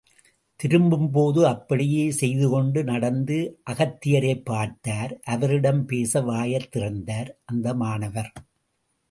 திரும்பும்போது அப்படியே செய்துகொண்டு நடந்து அகத்தியரை பார்த்தார் அவரிடம் பேச வாயைத் திறந்தார் அந்த மாணவர்.